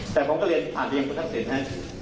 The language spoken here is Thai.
แต่ผมก็เรียนผ่านที่อย่างคุณธักษิรนะ